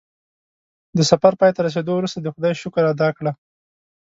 د سفر پای ته رسېدو وروسته د خدای شکر ادا کړه.